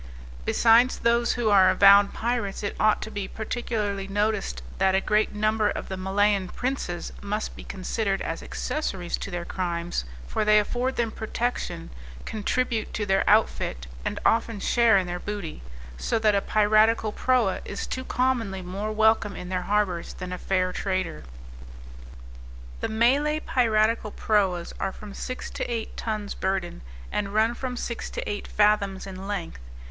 Besides those who are avowed pirates, it ought to be particularly noticed that a great number of the Malayan princes must be considered as accessories to their crimes, for they afford them protection, contribute to their outfit, and often share in their booty; so that a piratical proa is too commonly more welcome in their harbours than a fair trader. The Malay piratical proas are from six to eight tons burden, and run from six to eight fathoms in length.